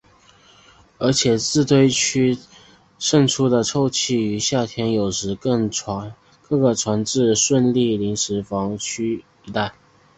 而且自堆填区渗出的臭气于夏天有时更可传至顺利临时房屋区一带。